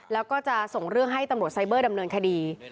แล้วก็จะส่งเรื่องให้ตำรวจไซเบอร์ดำเนินคดี